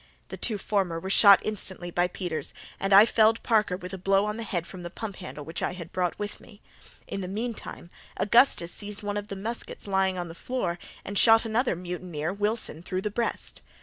The two former were shot instantly by Peters, and I felled Parker with a blow on the head from the pump handle which I had brought with me. In the meantime, Augustus seized one of the muskets lying on the floor and shot another mutineer Wilson through the breast.